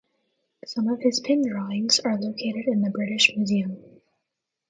Some of his pen drawings are located in the British Museum.